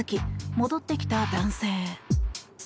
戻ってきた男性。